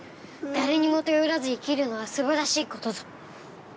誰にも頼らず生きるのは素晴らしい事ぞ。